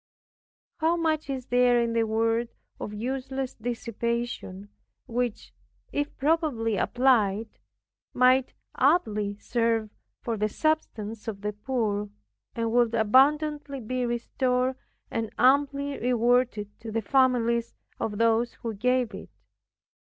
How much is there in the world of useless dissipation, which, if properly applied, might amply serve for the subsistence of the poor, and would abundantly be restored, and amply rewarded to the families of those who gave it.